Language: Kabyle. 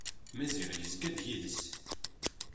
Maziɣ yezga d yid-s.